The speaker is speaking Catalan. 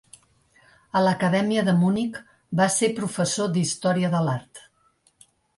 A l'acadèmia de Munic, va ser professor d'història de l'art.